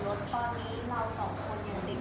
จุดทะเบียนส่งรถตอนนี้เรา๒คนอยู่ดิน